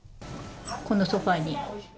このソファーに。